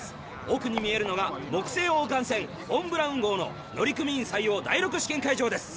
奥に見えるのが木星往還船フォン・ブラウン号の乗組員採用第６試験会場です。